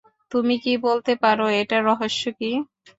তুমি কি বলতে পার এটার রহস্য কি?